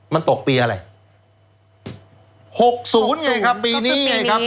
มันตกปีอะไรหกศูนย์ไงครับปีนี้ไงครับ